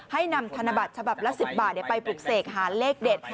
ให้นำธนบัตรฉบับละ๑๐บาทไปปลุกเสกหาเลขเด็ด